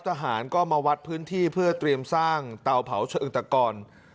ทหารก็มาวัดพื้นที่เพื่อเตรียมสร้างเตาเผาเชิงตะกร